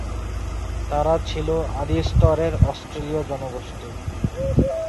তারা ছিল আদিস্তরের অস্ট্রেলীয় জনগোষ্ঠী।